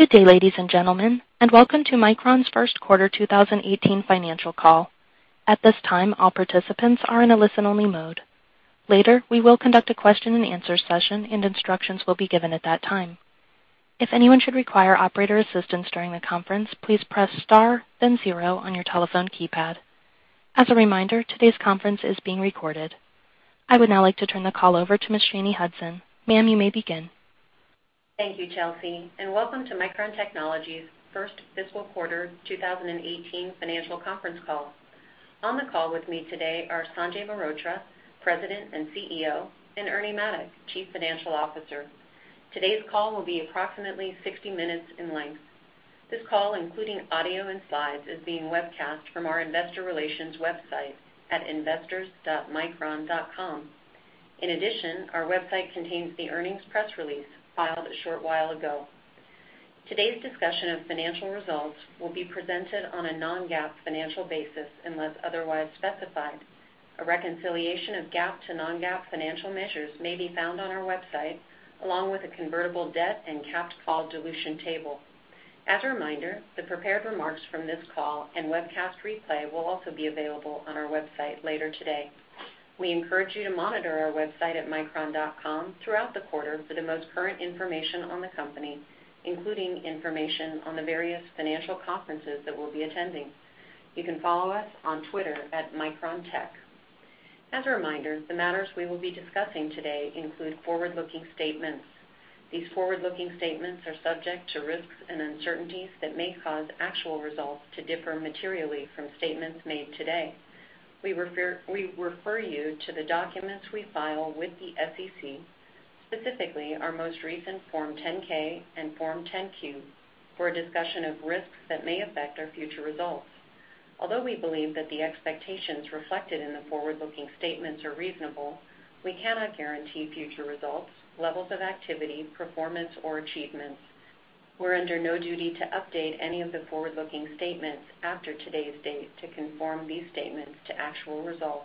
Good day, ladies and gentlemen, and welcome to Micron's first quarter 2018 financial call. At this time, all participants are in a listen-only mode. Later, we will conduct a question and answer session, and instructions will be given at that time. If anyone should require operator assistance during the conference, please press star then zero on your telephone keypad. As a reminder, today's conference is being recorded. I would now like to turn the call over to Ms. Shanye Hudson. Ma'am, you may begin. Thank you, Chelsea, and welcome to Micron Technology first fiscal quarter 2018 financial conference call. On the call with me today are Sanjay Mehrotra, President and CEO, and Ernie Maddock, Chief Financial Officer. Today's call will be approximately 60 minutes in length. This call, including audio and slides, is being webcast from our investor relations website at investors.micron.com. In addition, our website contains the earnings press release filed a short while ago. Today's discussion of financial results will be presented on a non-GAAP financial basis unless otherwise specified. A reconciliation of GAAP to non-GAAP financial measures may be found on our website, along with a convertible debt and capped call dilution table. As a reminder, the prepared remarks from this call and webcast replay will also be available on our website later today. We encourage you to monitor our website at micron.com throughout the quarter for the most current information on the company, including information on the various financial conferences that we'll be attending. You can follow us on Twitter @MicronTech. As a reminder, the matters we will be discussing today include forward-looking statements. These forward-looking statements are subject to risks and uncertainties that may cause actual results to differ materially from statements made today. We refer you to the documents we file with the SEC, specifically our most recent Form 10-K and Form 10-Q, for a discussion of risks that may affect our future results. Although we believe that the expectations reflected in the forward-looking statements are reasonable, we cannot guarantee future results, levels of activity, performance, or achievements. We're under no duty to update any of the forward-looking statements after today's date to conform these statements to actual results.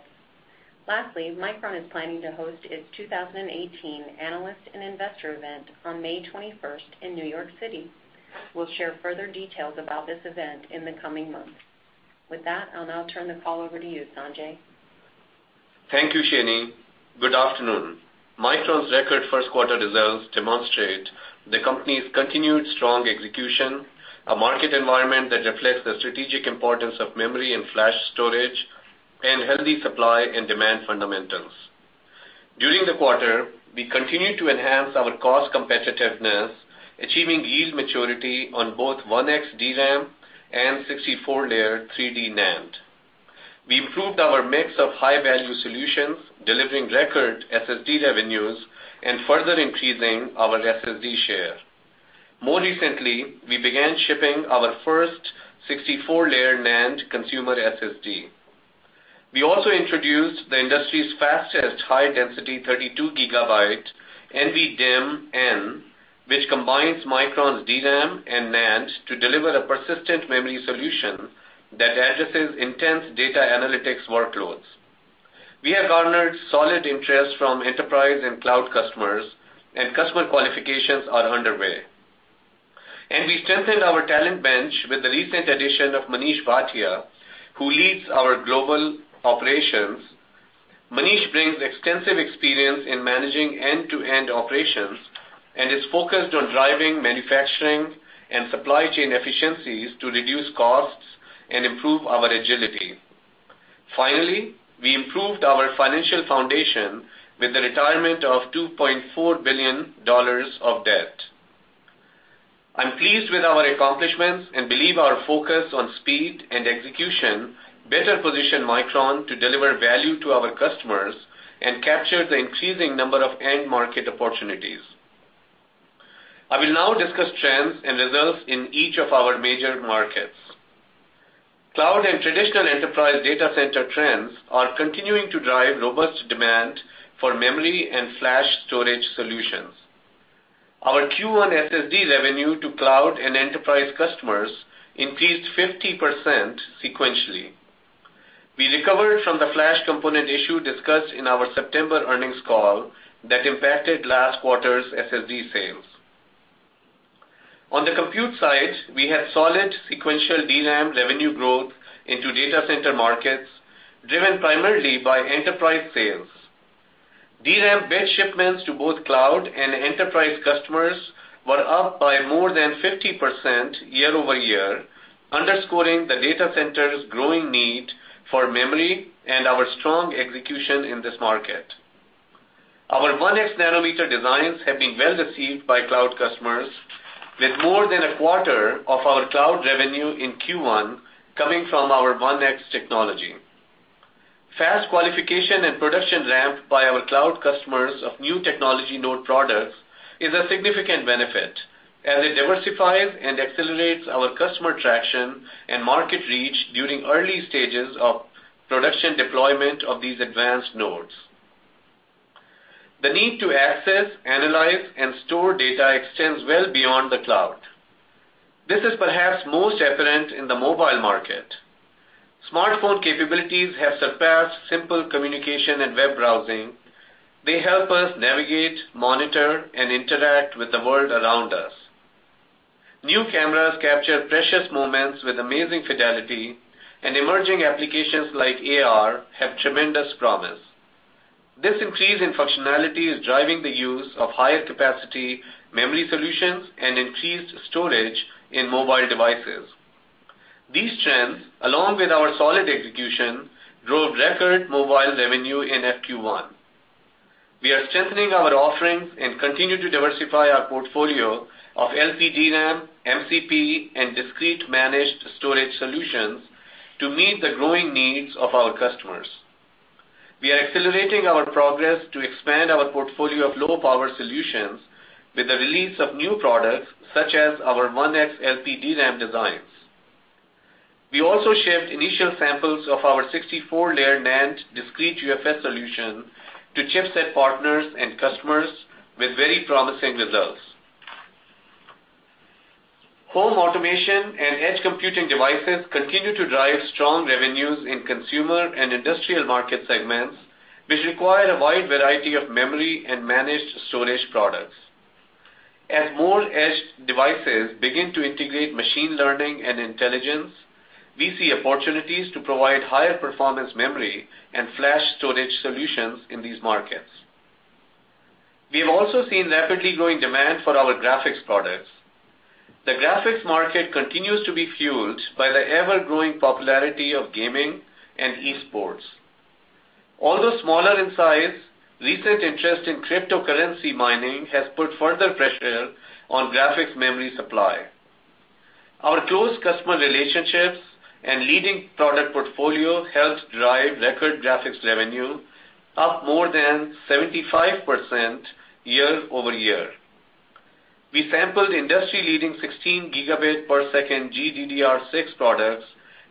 Lastly, Micron is planning to host its 2018 Analyst and Investor event on May 21st in New York City. We'll share further details about this event in the coming months. With that, I'll now turn the call over to you, Sanjay. Thank you, Shanye. Good afternoon. Micron's record first quarter results demonstrate the company's continued strong execution, a market environment that reflects the strategic importance of memory and flash storage, and healthy supply and demand fundamentals. During the quarter, we continued to enhance our cost competitiveness, achieving yield maturity on both 1X DRAM and 64-layer 3D NAND. We improved our mix of high-value solutions, delivering record SSD revenues and further increasing our SSD share. More recently, we began shipping our first 64-layer NAND consumer SSD. We also introduced the industry's fastest high-density 32 GB NVDIMM-N, which combines Micron's DRAM and NAND to deliver a persistent memory solution that addresses intense data analytics workloads. We have garnered solid interest from enterprise and cloud customers, customer qualifications are underway. We strengthened our talent bench with the recent addition of Manish Bhatia, who leads our global operations. Manish brings extensive experience in managing end-to-end operations and is focused on driving manufacturing and supply chain efficiencies to reduce costs and improve our agility. Finally, we improved our financial foundation with the retirement of $2.4 billion of debt. I'm pleased with our accomplishments and believe our focus on speed and execution better position Micron to deliver value to our customers and capture the increasing number of end market opportunities. I will now discuss trends and results in each of our major markets. Cloud and traditional enterprise data center trends are continuing to drive robust demand for memory and flash storage solutions. Our Q1 SSD revenue to cloud and enterprise customers increased 50% sequentially. We recovered from the flash component issue discussed in our September earnings call that impacted last quarter's SSD sales. On the compute side, we had solid sequential DRAM revenue growth into data center markets, driven primarily by enterprise sales. DRAM bit shipments to both cloud and enterprise customers were up by more than 50% year-over-year, underscoring the data center's growing need for memory and our strong execution in this market. Our 1x nanometer designs have been well received by cloud customers, with more than a quarter of our cloud revenue in Q1 coming from our 1X technology. Fast qualification and production ramp by our cloud customers of new technology node products is a significant benefit, as it diversifies and accelerates our customer traction and market reach during early stages of production deployment of these advanced nodes. The need to access, analyze, and store data extends well beyond the cloud. This is perhaps most evident in the mobile market. Smartphone capabilities have surpassed simple communication and web browsing. They help us navigate, monitor, and interact with the world around us. New cameras capture precious moments with amazing fidelity, and emerging applications like AR have tremendous promise. This increase in functionality is driving the use of higher capacity memory solutions and increased storage in mobile devices. These trends, along with our solid execution, drove record mobile revenue in FQ1. We are strengthening our offerings and continue to diversify our portfolio of LPDRAM, MCP, and discrete managed storage solutions to meet the growing needs of our customers. We are accelerating our progress to expand our portfolio of low power solutions with the release of new products, such as our 1x LPDRAM designs. We also shipped initial samples of our 64-layer NAND discrete UFS solution to chipset partners and customers with very promising results. Home automation and edge computing devices continue to drive strong revenues in consumer and industrial market segments, which require a wide variety of memory and managed storage products. As more edge devices begin to integrate machine learning and intelligence, we see opportunities to provide higher performance memory and flash storage solutions in these markets. We have also seen rapidly growing demand for our graphics products. The graphics market continues to be fueled by the ever-growing popularity of gaming and esports. Although smaller in size, recent interest in cryptocurrency mining has put further pressure on graphics memory supply. Our close customer relationships and leading product portfolio helped drive record graphics revenue up more than 75% year-over-year. We sampled industry-leading 16 gigabit per second GDDR6 products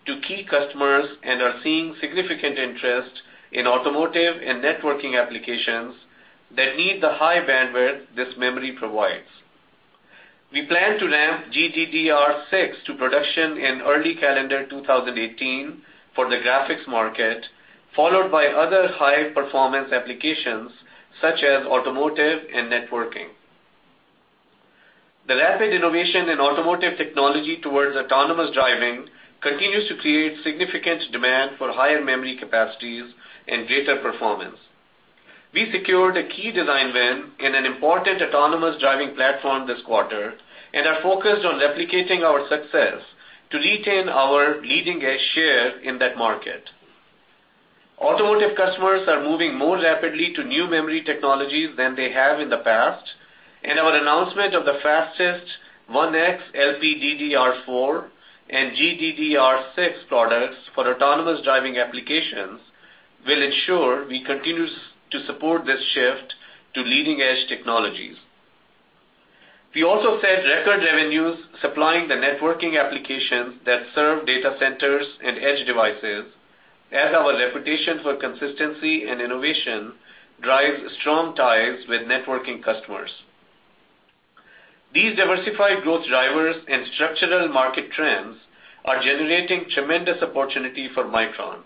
to key customers and are seeing significant interest in automotive and networking applications that need the high bandwidth this memory provides. We plan to ramp GDDR6 to production in early calendar 2018 for the graphics market, followed by other high-performance applications such as automotive and networking. The rapid innovation in automotive technology towards autonomous driving continues to create significant demand for higher memory capacities and data performance. We secured a key design win in an important autonomous driving platform this quarter and are focused on replicating our success to retain our leading-edge share in that market. Automotive customers are moving more rapidly to new memory technologies than they have in the past. Our announcement of the fastest 1X LPDDR4 and GDDR6 products for autonomous driving applications will ensure we continue to support this shift to leading-edge technologies. We also set record revenues supplying the networking applications that serve data centers and edge devices, as our reputation for consistency and innovation drives strong ties with networking customers. These diversified growth drivers and structural market trends are generating tremendous opportunity for Micron.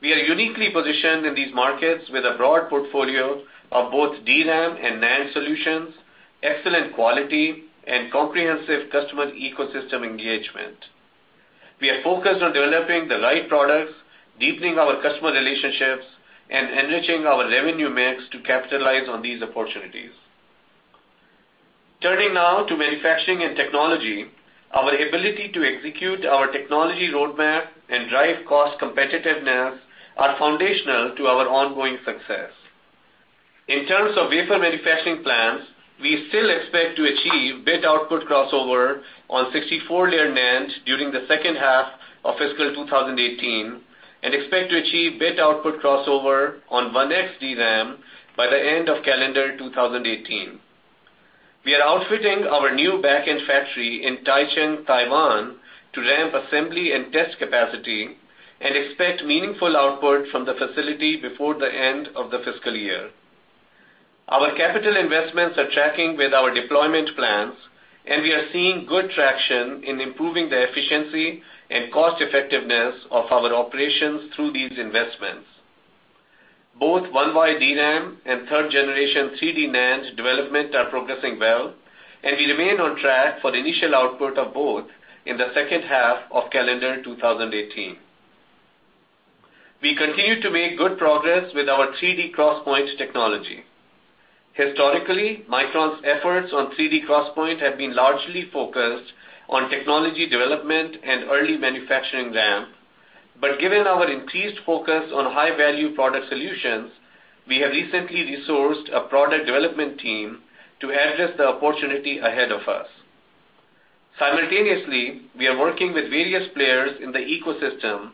We are uniquely positioned in these markets with a broad portfolio of both DRAM and NAND solutions, excellent quality, and comprehensive customer ecosystem engagement. We are focused on developing the right products, deepening our customer relationships, and enriching our revenue mix to capitalize on these opportunities. Turning now to manufacturing and technology, our ability to execute our technology roadmap and drive cost competitiveness are foundational to our ongoing success. In terms of wafer manufacturing plans, we still expect to achieve bit output crossover on 64-layer NAND during the second half of fiscal 2018 and expect to achieve bit output crossover on 1X DRAM by the end of calendar 2018. We are outfitting our new backend factory in Taichung, Taiwan, to ramp assembly and test capacity and expect meaningful output from the facility before the end of the fiscal year. Our capital investments are tracking with our deployment plans. We are seeing good traction in improving the efficiency and cost-effectiveness of our operations through these investments. Both 1Y DRAM and third generation 3D NAND development are progressing well. We remain on track for the initial output of both in the second half of calendar 2018. We continue to make good progress with our 3D XPoint technology. Historically, Micron's efforts on 3D XPoint have been largely focused on technology development and early manufacturing ramp. Given our increased focus on high-value product solutions, we have recently resourced a product development team to address the opportunity ahead of us. Simultaneously, we are working with various players in the ecosystem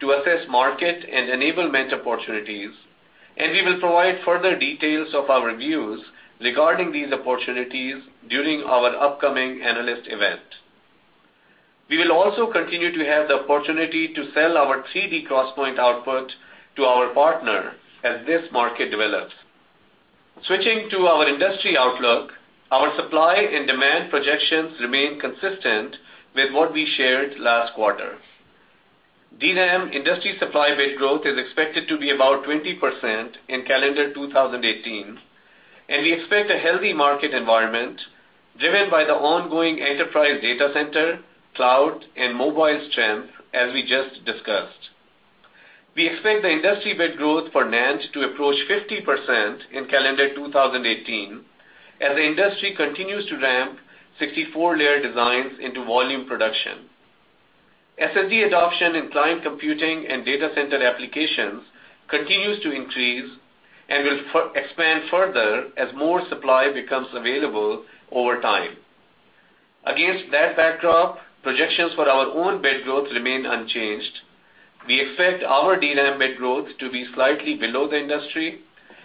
to assess market and enablement opportunities. We will provide further details of our views regarding these opportunities during our upcoming analyst event. We will also continue to have the opportunity to sell our 3D XPoint output to our partner as this market develops. Switching to our industry outlook, our supply and demand projections remain consistent with what we shared last quarter. DRAM industry supply bit growth is expected to be about 20% in calendar 2018. We expect a healthy market environment driven by the ongoing enterprise data center, cloud, and mobile strength, as we just discussed. We expect the industry bit growth for NAND to approach 50% in calendar 2018, as the industry continues to ramp 64-layer designs into volume production. SSD adoption in client computing and data center applications continues to increase and will expand further as more supply becomes available over time. Against that backdrop, projections for our own bit growth remain unchanged. We expect our DRAM bit growth to be slightly below the industry.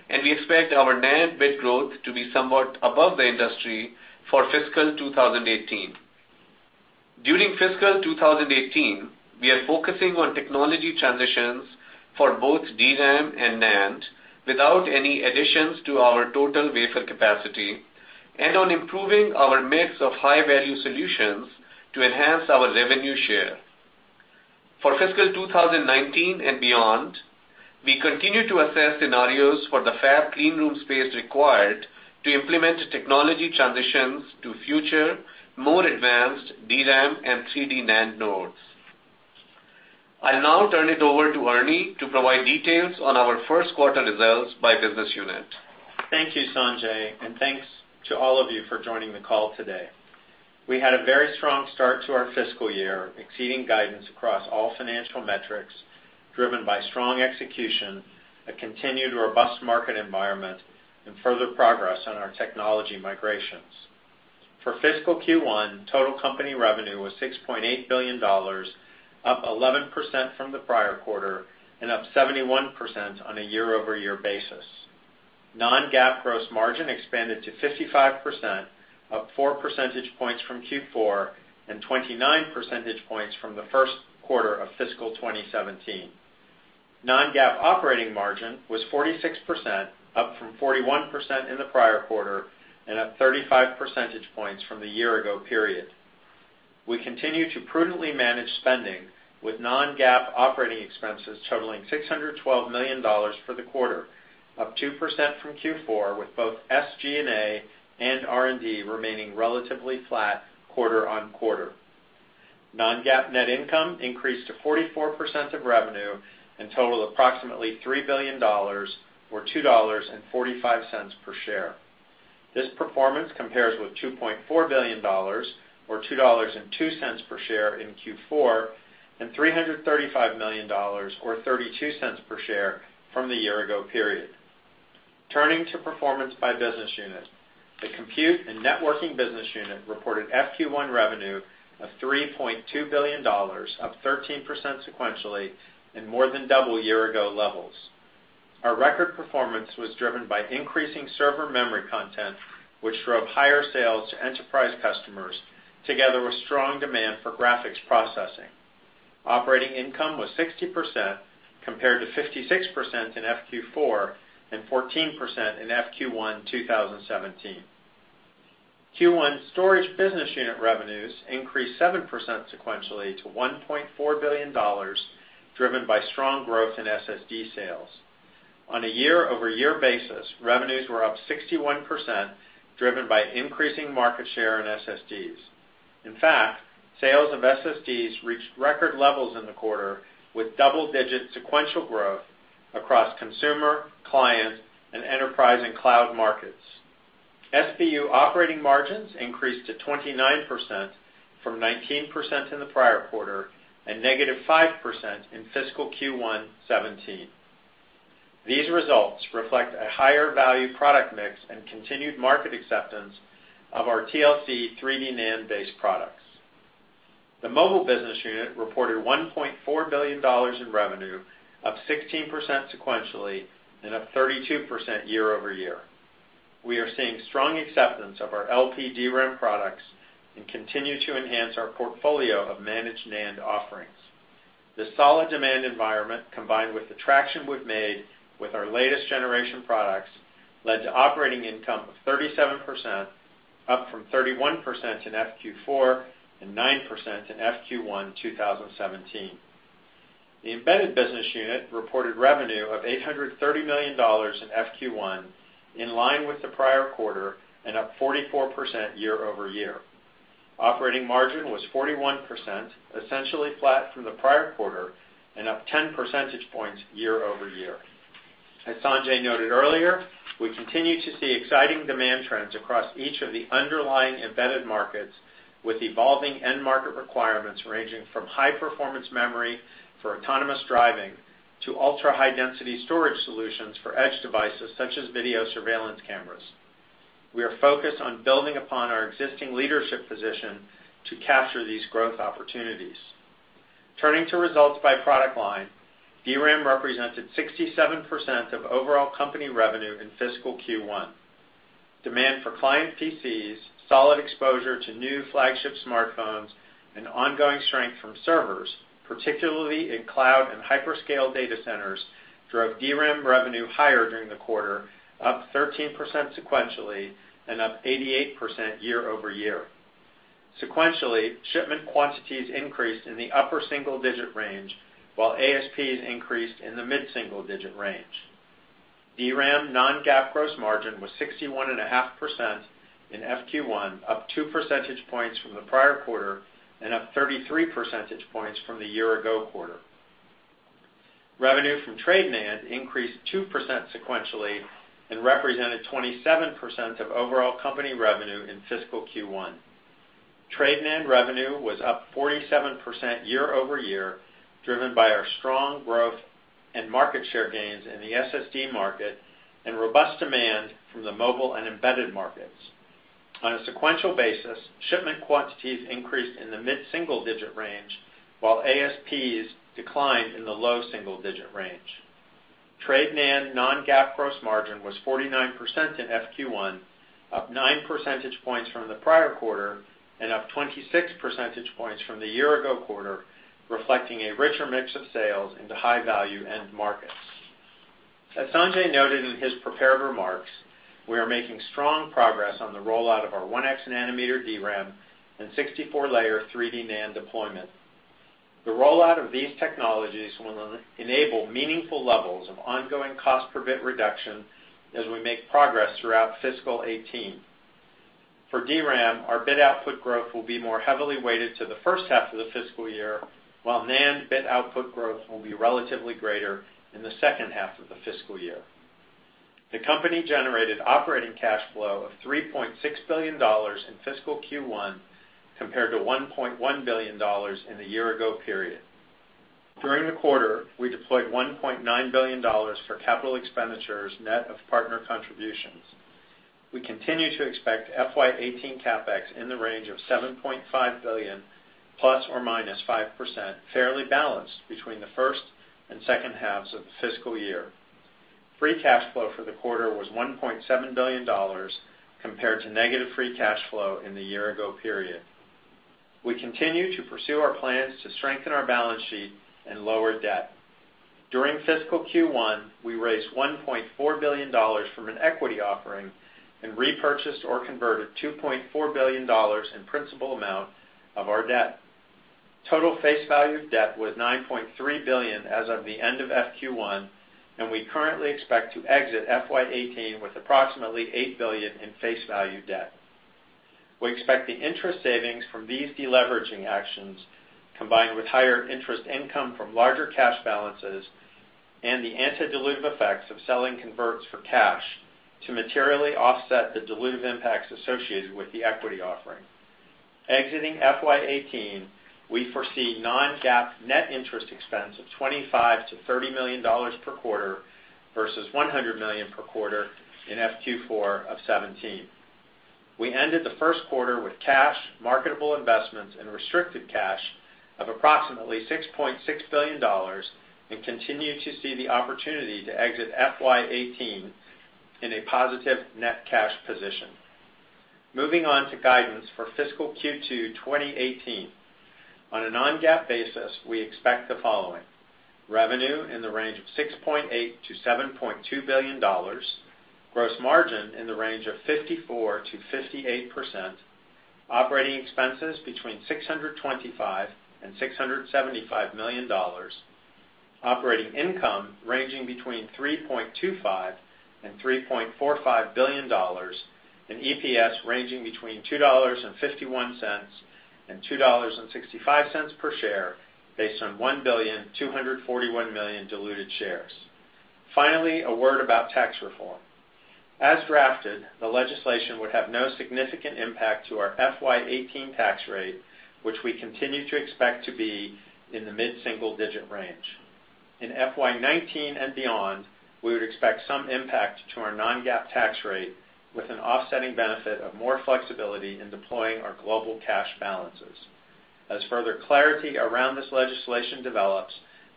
We expect our NAND bit growth to be somewhat above the industry for fiscal 2018. During fiscal 2018, we are focusing on technology transitions for both DRAM and NAND without any additions to our total wafer capacity and on improving our mix of high-value solutions to enhance our revenue share. For fiscal 2019 and beyond, we continue to assess scenarios for the fab clean room space required to implement technology transitions to future, more advanced DRAM and 3D NAND nodes. I'll now turn it over to Ernie to provide details on our first quarter results by business unit. Thank you, Sanjay. Thanks to all of you for joining the call today. We had a very strong start to our fiscal year, exceeding guidance across all financial metrics driven by strong execution, a continued robust market environment, and further progress on our technology migrations. For fiscal Q1, total company revenue was $6.8 billion, up 11% from the prior quarter and up 71% on a year-over-year basis. Non-GAAP gross margin expanded to 55%, up 4 percentage points from Q4 and 29 percentage points from the first quarter of fiscal 2017. Non-GAAP operating margin was 46%, up from 41% in the prior quarter and up 35 percentage points from the year-ago period. We continue to prudently manage spending with non-GAAP operating expenses totaling $612 million for the quarter, up 2% from Q4, with both SG&A and R&D remaining relatively flat quarter-on-quarter. Non-GAAP net income increased to 44% of revenue and totaled approximately $3 billion, or $2.45 per share. This performance compares with $2.4 billion or $2.02 per share in Q4, and $335 million or $0.32 per share from the year-ago period. Turning to performance by business unit. The compute and networking business unit reported FQ1 revenue of $3.2 billion, up 13% sequentially and more than double year-ago levels. Our record performance was driven by increasing server memory content, which drove higher sales to enterprise customers, together with strong demand for graphics processing. Operating income was 60%, compared to 56% in FQ4 and 14% in FQ1 2017. Q1 storage business unit revenues increased 7% sequentially to $1.4 billion, driven by strong growth in SSD sales. On a year-over-year basis, revenues were up 61%, driven by increasing market share in SSDs. In fact, sales of SSDs reached record levels in the quarter, with double-digit sequential growth across consumer, client, and enterprise, and cloud markets. SBU operating margins increased to 29% from 19% in the prior quarter, and negative 5% in fiscal Q1 2017. These results reflect a higher value product mix and continued market acceptance of our TLC 3D NAND-based products. The Mobile Business Unit reported $1.4 billion in revenue, up 16% sequentially and up 32% year over year. We are seeing strong acceptance of our LPDRAM products and continue to enhance our portfolio of managed NAND offerings. The solid demand environment, combined with the traction we've made with our latest generation products, led to operating income of 37%, up from 31% in FQ4 and 9% in FQ1 2017. The Embedded Business Unit reported revenue of $830 million in FQ1, in line with the prior quarter and up 44% year over year. Operating margin was 41%, essentially flat from the prior quarter and up 10 percentage points year over year. As Sanjay noted earlier, we continue to see exciting demand trends across each of the underlying embedded markets, with evolving end market requirements ranging from high-performance memory for autonomous driving to ultra-high-density storage solutions for edge devices such as video surveillance cameras. We are focused on building upon our existing leadership position to capture these growth opportunities. Turning to results by product line. DRAM represented 67% of overall company revenue in fiscal Q1. Demand for client PCs, solid exposure to new flagship smartphones, and ongoing strength from servers, particularly in cloud and hyperscale data centers, drove DRAM revenue higher during the quarter, up 13% sequentially and up 88% year over year. Sequentially, shipment quantities increased in the upper single-digit range, while ASPs increased in the mid-single-digit range. DRAM non-GAAP gross margin was 61.5% in FQ1, up two percentage points from the prior quarter and up 33 percentage points from the year-ago quarter. Revenue from Trade NAND increased 2% sequentially and represented 27% of overall company revenue in fiscal Q1. Trade NAND revenue was up 47% year over year, driven by our strong growth and market share gains in the SSD market and robust demand from the mobile and embedded markets. On a sequential basis, shipment quantities increased in the mid-single-digit range, while ASPs declined in the low single-digit range. Trade NAND non-GAAP gross margin was 49% in FQ1, up nine percentage points from the prior quarter and up 26 percentage points from the year-ago quarter, reflecting a richer mix of sales into high-value end markets. As Sanjay noted in his prepared remarks, we are making strong progress on the rollout of our 1X nanometer DRAM and 64-layer 3D NAND deployment. The rollout of these technologies will enable meaningful levels of ongoing cost per bit reduction as we make progress throughout fiscal 2018. For DRAM, our bit output growth will be more heavily weighted to the first half of the fiscal year, while NAND bit output growth will be relatively greater in the second half of the fiscal year. The company generated operating cash flow of $3.6 billion in fiscal Q1 compared to $1.1 billion in the year-ago period. During the quarter, we deployed $1.9 billion for capital expenditures net of partner contributions. We continue to expect FY 2018 CapEx in the range of $7.5 billion ±5%, fairly balanced between the first and second halves of the fiscal year. Free cash flow for the quarter was $1.7 billion compared to negative free cash flow in the year-ago period. We continue to pursue our plans to strengthen our balance sheet and lower debt. During fiscal Q1, we raised $1.4 billion from an equity offering and repurchased or converted $2.4 billion in principal amount of our debt. Total face value of debt was $9.3 billion as of the end of FQ1, and we currently expect to exit FY 2018 with approximately $8 billion in face value debt. We expect the interest savings from these de-leveraging actions, combined with higher interest income from larger cash balances and the anti-dilutive effects of selling converts for cash to materially offset the dilutive impacts associated with the equity offering. Exiting FY 2018, we foresee non-GAAP net interest expense of $25 million-$30 million per quarter versus $100 million per quarter in FQ4 of 2017. We ended the first quarter with cash, marketable investments, and restricted cash of approximately $6.6 billion and continue to see the opportunity to exit FY 2018 in a positive net cash position. Moving on to guidance for fiscal Q2 2018. On a non-GAAP basis, we expect the following. Revenue in the range of $6.8 billion-$7.2 billion, gross margin in the range of 54%-58%, operating expenses between $625 million and $675 million, operating income ranging between $3.25 billion and $3.45 billion, and EPS ranging between $2.51 and $2.65 per share based on 1,241,000,000 diluted shares. Finally, a word about tax reform. As drafted, the legislation would have no significant impact to our FY 2018 tax rate, which we continue to expect to be in the mid-single-digit range. In FY 2019 and beyond, we would expect some impact to our non-GAAP tax rate with an offsetting benefit of more flexibility in deploying our global cash balances. As further clarity around this legislation develops,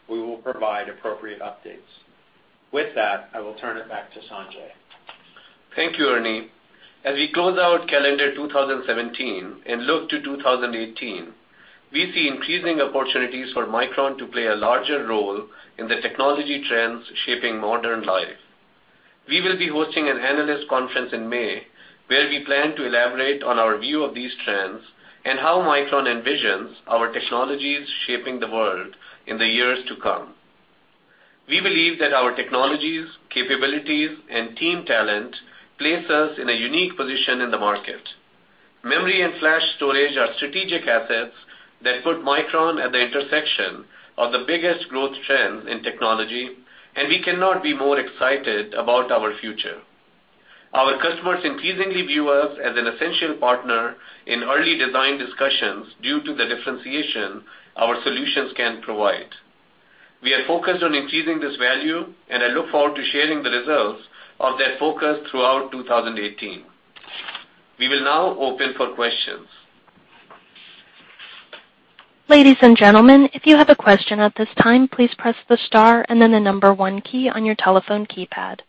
we will provide appropriate updates. With that, I will turn it back to Sanjay. Thank you, Ernie. As we close out calendar 2017 and look to 2018, we see increasing opportunities for Micron to play a larger role in the technology trends shaping modern life. We will be hosting an analyst conference in May where we plan to elaborate on our view of these trends and how Micron envisions our technologies shaping the world in the years to come. We believe that our technologies, capabilities, and team talent place us in a unique position in the market. Memory and flash storage are strategic assets that put Micron at the intersection of the biggest growth trends in technology, and we cannot be more excited about our future. Our customers increasingly view us as an essential partner in early design discussions due to the differentiation our solutions can provide. We are focused on increasing this value, and I look forward to sharing the results of that focus throughout 2018. We will now open for questions Ladies and gentlemen, if you have a question at this time, please press the star and then the number one key on your telephone keypad.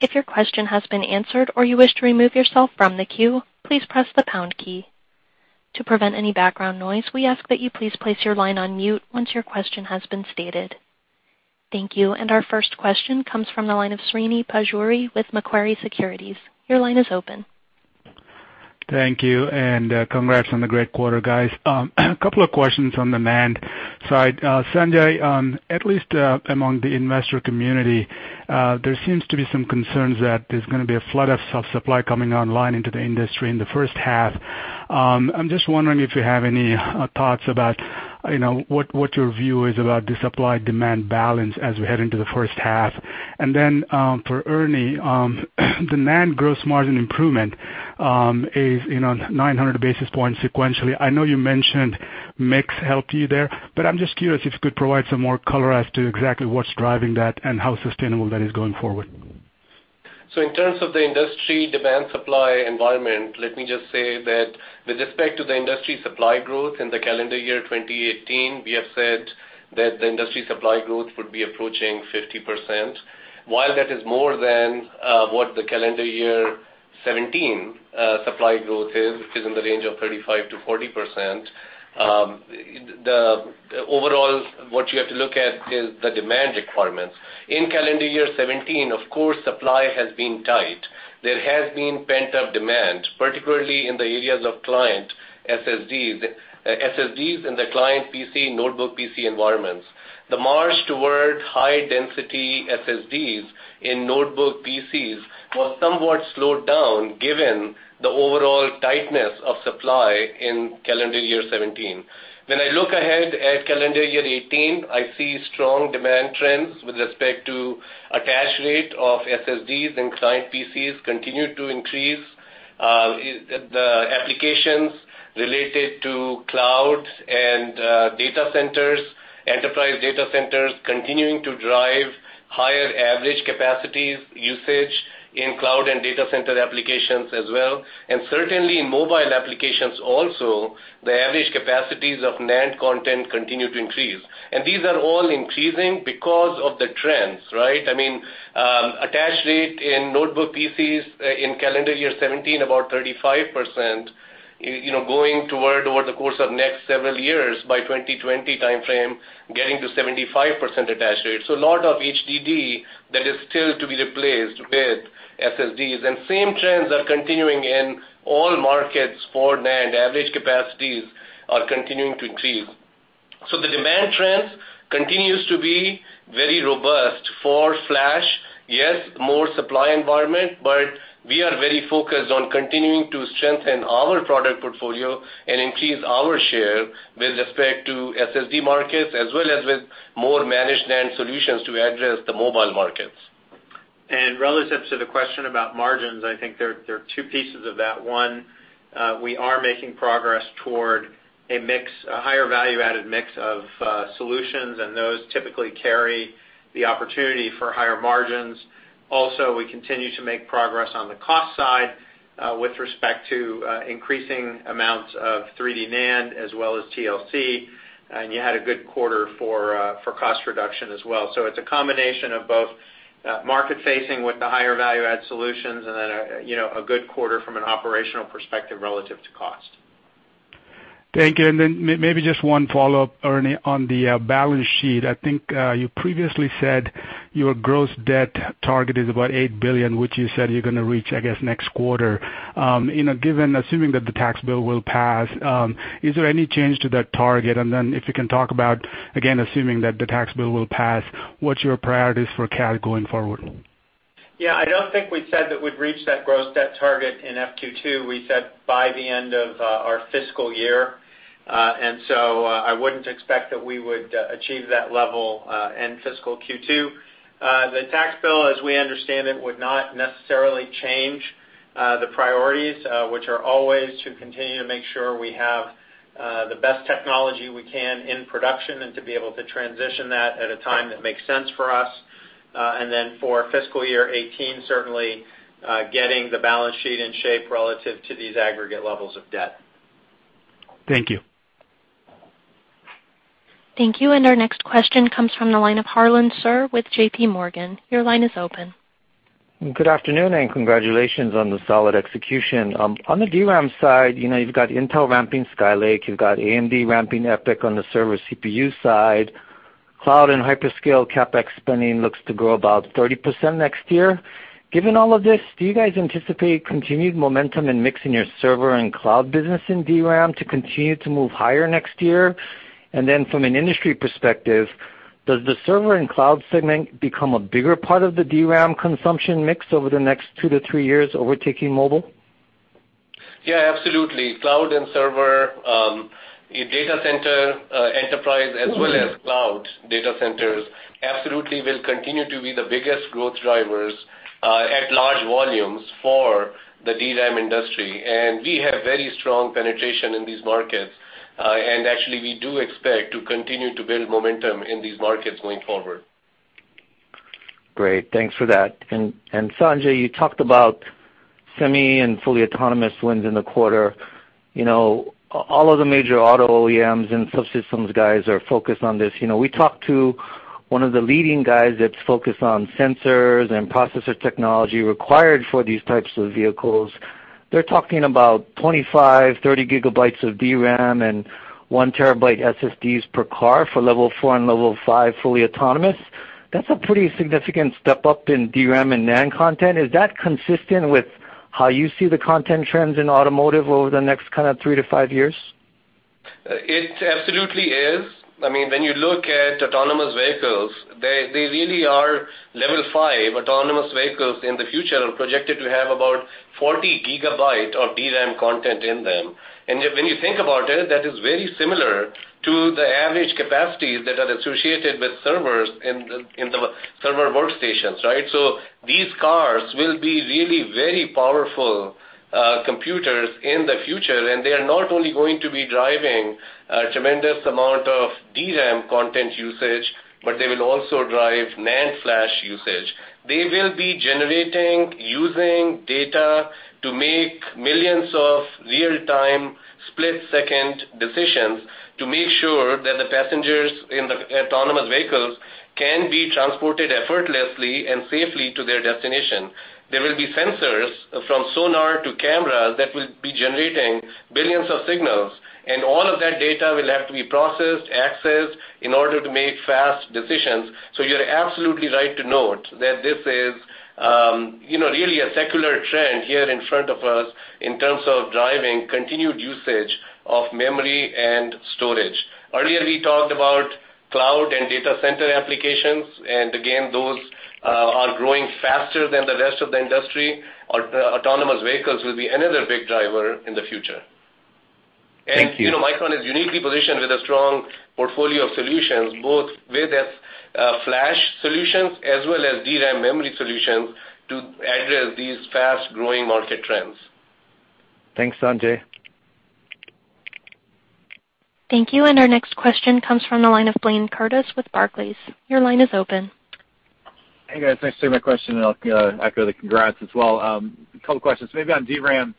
If your question has been answered or you wish to remove yourself from the queue, please press the pound key. To prevent any background noise, we ask that you please place your line on mute once your question has been stated. Thank you. Our first question comes from the line of Srini Pajjuri with Macquarie Securities. Your line is open. Thank you, and congrats on the great quarter, guys. A couple of questions on the NAND side. Sanjay, at least among the investor community, there seems to be some concerns that there's going to be a flood of self-supply coming online into the industry in the first half. I'm just wondering if you have any thoughts about what your view is about the supply-demand balance as we head into the first half. For Ernie, the NAND gross margin improvement is 900 basis points sequentially. I know you mentioned mix helped you there, but I'm just curious if you could provide some more color as to exactly what's driving that and how sustainable that is going forward. In terms of the industry demand-supply environment, let me just say that with respect to the industry supply growth in the calendar year 2018, we have said that the industry supply growth would be approaching 50%. While that is more than what the calendar year 2017 supply growth is, which is in the range of 35%-40%, the overall, what you have to look at is the demand requirements. In calendar year 2017, of course, supply has been tight. There has been pent-up demand, particularly in the areas of client SSDs, and the client PC, notebook PC environments. The march toward high-density SSDs in notebook PCs was somewhat slowed down given the overall tightness of supply in calendar year 2017. When I look ahead at calendar year 2018, I see strong demand trends with respect to attach rate of SSDs and client PCs continue to increase, the applications related to cloud and data centers, enterprise data centers continuing to drive higher average capacities usage in cloud and data center applications as well. Certainly, in mobile applications also, the average capacities of NAND content continue to increase. These are all increasing because of the trends, right? Attach rate in notebook PCs in calendar year 2017, about 35%, going toward over the course of next several years, by 2020 timeframe, getting to 75% attach rate. A lot of HDD that is still to be replaced with SSDs. Same trends are continuing in all markets for NAND. Average capacities are continuing to increase. The demand trends continues to be very robust for flash. Yes, more supply environment, we are very focused on continuing to strengthen our product portfolio and increase our share with respect to SSD markets as well as with more managed NAND solutions to address the mobile markets. Relative to the question about margins, I think there are two pieces of that. One, we are making progress toward a higher value-added mix of solutions, and those typically carry the opportunity for higher margins. Also, we continue to make progress on the cost side with respect to increasing amounts of 3D NAND as well as TLC, and you had a good quarter for cost reduction as well. It's a combination of both market-facing with the higher value-add solutions and then a good quarter from an operational perspective relative to cost. Thank you. Then maybe just one follow-up, Ernie, on the balance sheet. I think you previously said your gross debt target is about $8 billion, which you said you're going to reach, I guess, next quarter. Assuming that the tax bill will pass, is there any change to that target? Then if you can talk about, again, assuming that the tax bill will pass, what's your priorities for cash going forward? I don't think we said that we'd reach that gross debt target in FQ2. We said by the end of our fiscal year. I wouldn't expect that we would achieve that level in fiscal Q2. The tax bill, as we understand it, would not necessarily change the priorities, which are always to continue to make sure we have the best technology we can in production and to be able to transition that at a time that makes sense for us. For fiscal year 2018, certainly getting the balance sheet in shape relative to these aggregate levels of debt. Thank you. Thank you. Our next question comes from the line of Harlan Sur with J.P. Morgan. Your line is open. Good afternoon, and congratulations on the solid execution. On the DRAM side, you've got Intel ramping Skylake, you've got AMD ramping EPYC on the server CPU side. Cloud and hyperscale CapEx spending looks to grow about 30% next year. Given all of this, do you guys anticipate continued momentum in mixing your server and cloud business in DRAM to continue to move higher next year? From an industry perspective, does the server and cloud segment become a bigger part of the DRAM consumption mix over the next two to three years, overtaking mobile? Absolutely. Cloud and server, data center enterprise as well as cloud data centers absolutely will continue to be the biggest growth drivers at large volumes for the DRAM industry. We have very strong penetration in these markets. Actually, we do expect to continue to build momentum in these markets going forward. Great. Thanks for that. Sanjay, you talked about semi and fully autonomous wins in the quarter. All of the major auto OEMs and subsystems guys are focused on this. We talked to one of the leading guys that's focused on sensors and processor technology required for these types of vehicles. They're talking about 25, 30 gigabytes of DRAM and one terabyte SSDs per car for level 4 and level 5 fully autonomous. That's a pretty significant step up in DRAM and NAND content. Is that consistent with how you see the content trends in automotive over the next kind of three to five years? It absolutely is. When you look at autonomous vehicles, they really are level 5 autonomous vehicles in the future, are projected to have about 40 gigabyte of DRAM content in them. When you think about it, that is very similar to the average capacities that are associated with servers in the server workstations, right? These cars will be really very powerful computers in the future. They are not only going to be driving a tremendous amount of DRAM content usage, but they will also drive NAND flash usage. They will be generating, using data to make millions of real-time, split-second decisions to make sure that the passengers in the autonomous vehicles can be transported effortlessly and safely to their destination. There will be sensors from sonar to camera that will be generating billions of signals. All of that data will have to be processed, accessed in order to make fast decisions. You're absolutely right to note that this is really a secular trend here in front of us in terms of driving continued usage of memory and storage. Earlier, we talked about cloud and data center applications. Again, those are growing faster than the rest of the industry. Autonomous vehicles will be another big driver in the future. Thank you. Micron is uniquely positioned with a strong portfolio of solutions, both with its Flash solutions as well as DRAM memory solutions to address these fast-growing market trends. Thanks, Sanjay. Thank you. Our next question comes from the line of Blayne Curtis with Barclays. Your line is open. Hey, guys. Thanks for taking my question. I'll echo the congrats as well. A couple questions, maybe on DRAM.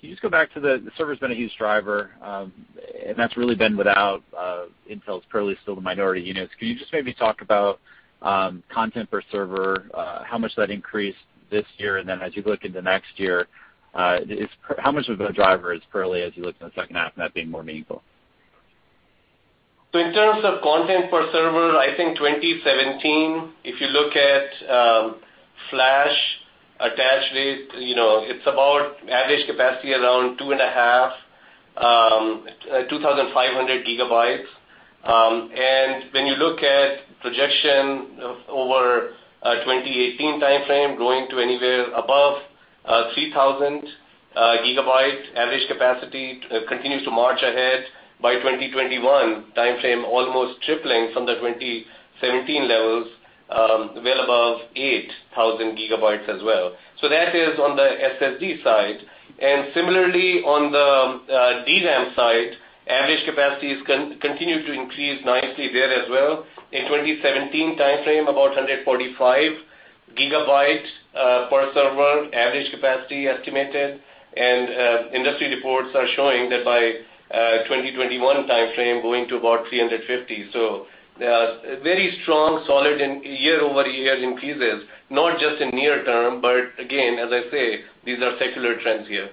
Can you just go back to the server's been a huge driver, and that's really been without Intel's currently still the minority units. Can you just maybe talk about content per server, how much that increased this year? As you look into next year, how much of a driver is currently as you look in the second half and that being more meaningful? In terms of content per server, I think 2017, if you look at flash attach rate, it's about average capacity around 2.5, 2,500 gigabytes. When you look at projection over 2018 timeframe, going to anywhere above 3,000 gigabytes average capacity continues to march ahead by 2021 timeframe, almost tripling from the 2017 levels, well above 8,000 gigabytes as well. That is on the SSD side. Similarly, on the DRAM side, average capacities continue to increase nicely there as well. In 2017 timeframe, about 145 gigabytes per server, average capacity estimated, and industry reports are showing that by 2021 timeframe, going to about 350. There are very strong, solid year-over-year increases, not just in near term, but again, as I say, these are secular trends here.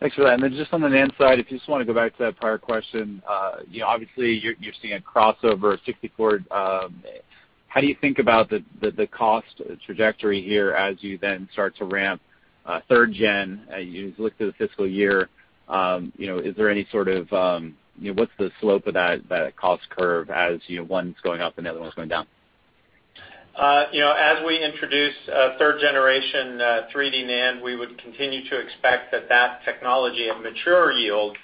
Thanks for that. Just on the NAND side, if you just want to go back to that prior question. Obviously, you're seeing a crossover 64. How do you think about the cost trajectory here as you then start to ramp third gen? You looked at the fiscal year. What's the slope of that cost curve as one's going up and the other one's going down? As we introduce third generation 3D NAND, we would continue to expect that technology of mature yield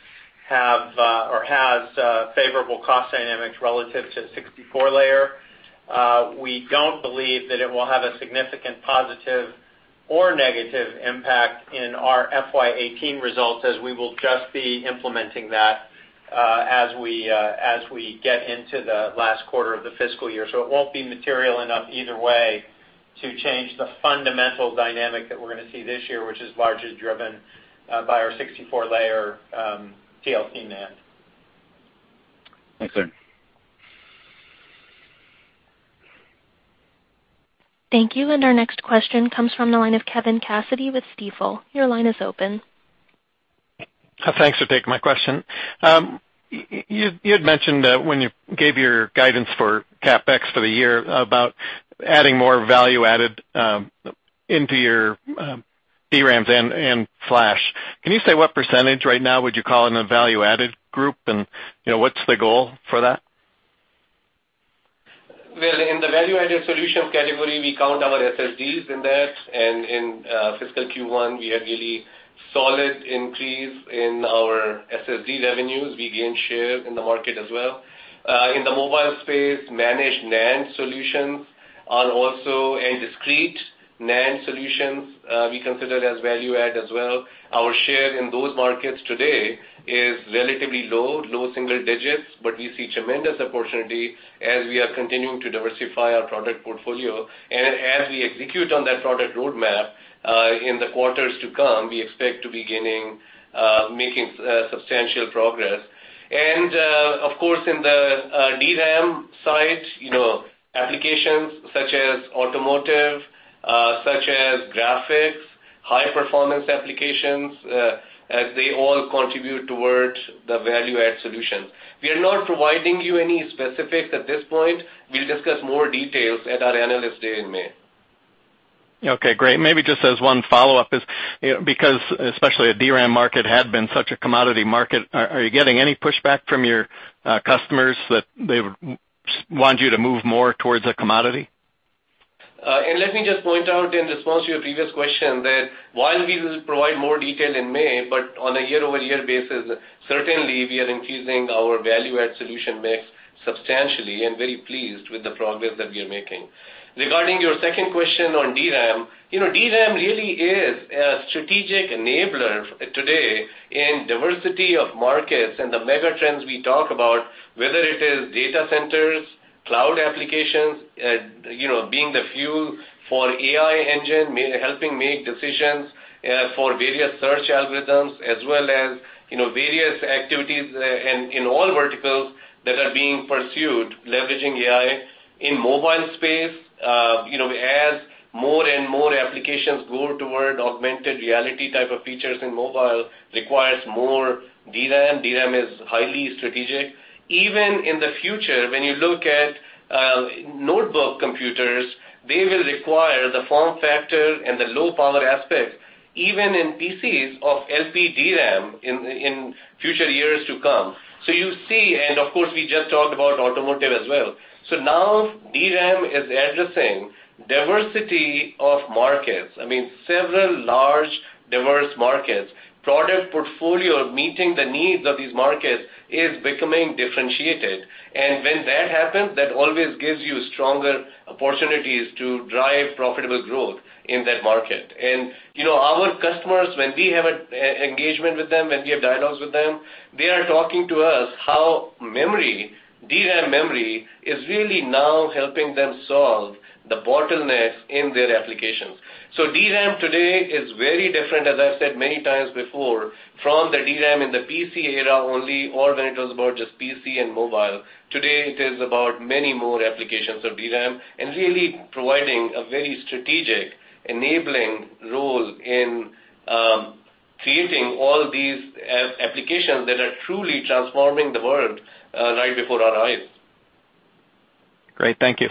have or has favorable cost dynamics relative to 64 layer. We don't believe that it will have a significant positive or negative impact in our FY 2018 results as we will just be implementing that as we get into the last quarter of the fiscal year. It won't be material enough either way to change the fundamental dynamic that we're going to see this year, which is largely driven by our 64-layer TLC NAND. Thanks, Ernie. Thank you. Our next question comes from the line of Kevin Cassidy with Stifel. Your line is open. Thanks for taking my question. You had mentioned when you gave your guidance for CapEx for the year about adding more value added into your DRAMs and Flash. Can you say what percentage right now would you call in a value-added group, and what's the goal for that? Well, in the value-added solutions category, we count our SSDs in that. In fiscal Q1, we had really solid increase in our SSD revenues. We gained share in the market as well. In the mobile space, managed NAND solutions are also a discrete NAND solutions, we consider as value add as well. Our share in those markets today is relatively low, low single digits, but we see tremendous opportunity as we are continuing to diversify our product portfolio. As we execute on that product roadmap, in the quarters to come, we expect to be making substantial progress. Of course, in the DRAM side, applications such as automotive, such as graphics, high-performance applications, as they all contribute towards the value-add solution. We are not providing you any specifics at this point. We'll discuss more details at our Analyst Day in May. Okay, great. Maybe just as one follow-up is, because especially the DRAM market had been such a commodity market, are you getting any pushback from your customers that they want you to move more towards a commodity? Let me just point out in response to your previous question that while we will provide more detail in May, but on a year-over-year basis, certainly, we are increasing our value add solution mix substantially and very pleased with the progress that we are making. Regarding your second question on DRAM really is a strategic enabler today in diversity of markets and the mega trends we talk about, whether it is data centers, cloud applications, being the fuel for AI engine, helping make decisions for various search algorithms, as well as various activities in all verticals that are being pursued, leveraging AI in mobile space. As more and more applications go toward augmented reality type of features in mobile, requires more DRAM. DRAM is highly strategic. Even in the future, when you look at notebook computers, they will require the form factor and the low power aspect, even in PCs of LPDRAM in future years to come. You see, and of course, we just talked about automotive as well. Now DRAM is addressing diversity of markets. Several large, diverse markets. Product portfolio, meeting the needs of these markets is becoming differentiated. When that happens, that always gives you stronger opportunities to drive profitable growth in that market. Our customers, when we have an engagement with them, when we have dialogues with them, they are talking to us how memory, DRAM memory, is really now helping them solve the bottlenecks in their applications. DRAM today is very different, as I've said many times before, from the DRAM in the PC era only, or when it was about just PC and mobile. Today, it is about many more applications of DRAM and really providing a very strategic enabling role in creating all these applications that are truly transforming the world right before our eyes. Great. Thank you.